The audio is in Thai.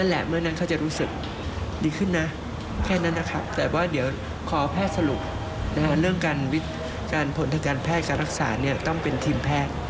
แต่เรื่องการผลทางการแพทย์การรักษาต้องเป็นทีมแพทย์